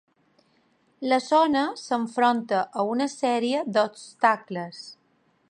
La zona s'enfronta a una sèrie d'obstacles.